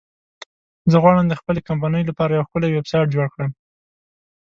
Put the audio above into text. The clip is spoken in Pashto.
زه غواړم د خپلې کمپنی لپاره یو ښکلی ویبسایټ جوړ کړم